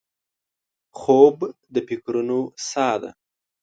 خوب د فکرونو سا ده